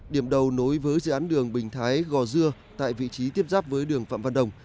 điểm đầu nối với dự án đường bình thái gò dưa tại vị trí tiếp giáp với đường phạm văn đồng